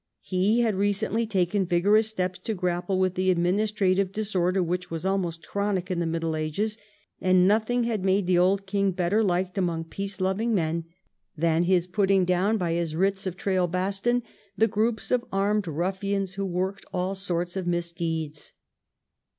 He had recently taken vigorous steps to grapple with the administrative disorder which was almost chronic in the Middle Ages, and nothing had made the old king better liked among peace loving men than his putting down, by his writs of trailhaston, the groups of armed ruffians who worked all sorts of misdeeds.